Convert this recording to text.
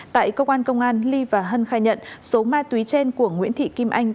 tại cơ quan công an ly và hân khai nhận số ma túy trên của nguyễn thị kim anh